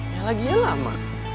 ya lagi ya lama